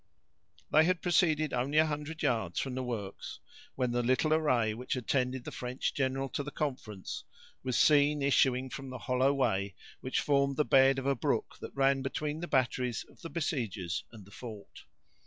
They had proceeded only a hundred yards from the works, when the little array which attended the French general to the conference was seen issuing from the hollow way which formed the bed of a brook that ran between the batteries of the besiegers and the fort.